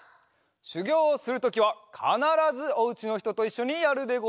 しゅぎょうをするときはかならずお家のひとといっしょにやるでござるぞ。